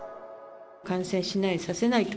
感染しない、させないと。